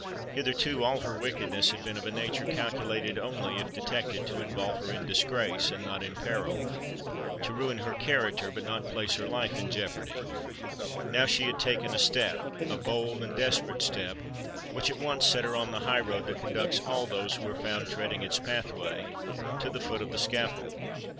Hitherto all her wickedness had been of a nature calculated only, if detected, to involve her in disgrace, and not in peril—to ruin her character, but not place her life in jeopardy! Now she had taken a step—a bold and desperate step—which at once set her on the high road that conducts all those who are found treading its pathway, to the foot of the scaffold!